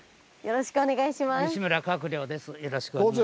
よろしくお願いします。